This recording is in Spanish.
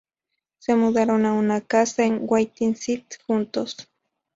Se mudaron a una casa en White City juntos.